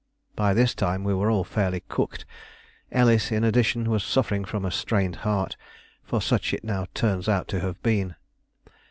By this time we were all fairly "cooked"; Ellis, in addition, was suffering from a strained heart for such it now turns out to have been.